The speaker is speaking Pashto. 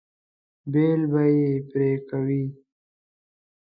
بیل به یې پرې کوئ.